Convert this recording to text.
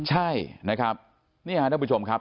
ใช่นะครับนี่ค่ะนักผู้ชมครับ